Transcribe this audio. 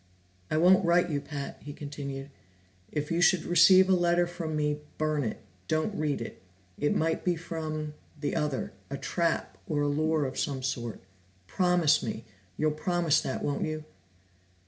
"I won't write you, Pat," he continued. "If you should receive a letter from me, burn it don't read it. It might be from the other, a trap or a lure of some sort. Promise me! You'll promise that, won't you?"